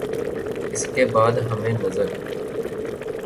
اس کے بعد ہمیں نظر